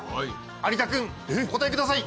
有田君お答えください。